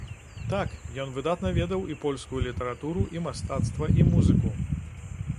Так, ён выдатна ведаў і польскую літаратуру, і мастацтва, і музыку.